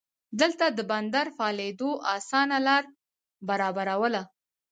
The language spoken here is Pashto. دلته د بندر فعالېدو اسانه لار برابرواله.